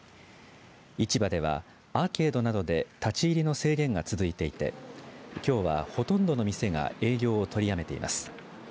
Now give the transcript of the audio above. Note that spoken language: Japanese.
市場では、アーケードなどで立ち入りの制限が続いていてきょうは、ほとんどの店が営業を取りやめています。